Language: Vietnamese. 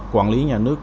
quản lý nhà nước